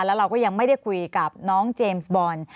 แล้วเราก็ยังไม่ได้คุยกับน้องเจมส์บอล